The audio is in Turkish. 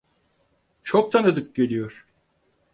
Çok tanıdık geliyor.